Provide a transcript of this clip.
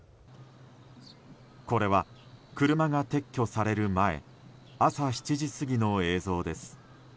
これは車が撤去される前朝７時過ぎの映像です。